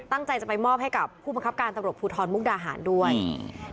ตั้งใจจะไปมอบให้กับผู้บังคับการตำรวจภูทรมุกดาหารด้วยอืม